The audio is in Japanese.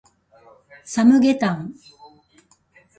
サムゲタン